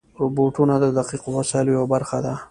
روبوټونه د دقیقو وسایلو یوه برخه دي.